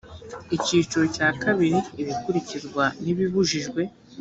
icyiro cyakabiri ibikurikizwa n ibibujijwe